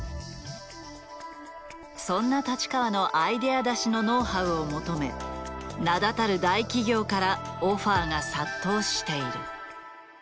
そんな太刀川のアイデア出しのノウハウを求め名だたる大企業からオファーが殺到している。